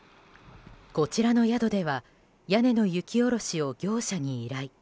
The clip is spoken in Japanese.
こちらの宿では屋根の雪下ろしを業者に依頼。